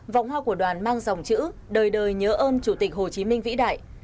vòng hoa của đoàn mang dòng chữ đời đời nhớ ơn chủ tịch hồ chí minh vĩ đại